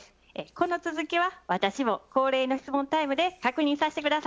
この続きは私も恒例の質問タイムで確認させて下さい。